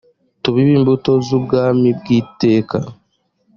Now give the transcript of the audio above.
tubibe imbuto z’ubwami bw’iteka